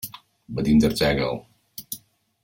Venim d'Arsèguel.